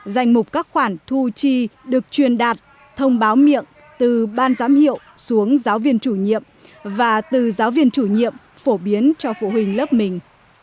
danh mục các khoản thu chi được truyền đạt thông báo miệng từ ban giám hiệu xuống giáo viên chủ nhiệm và từ giáo viên chủ nhiệm phổ biến cho phụ huynh lớp mình